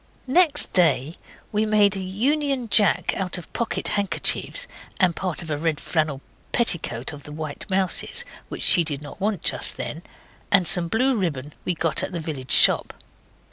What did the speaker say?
Next day we made a Union Jack out of pocket handkerchiefs and part of a red flannel petticoat of the White Mouse's, which she did not want just then, and some blue ribbon we got at the village shop.